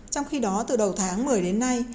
trong khi đó từ đầu tháng một mươi đến nay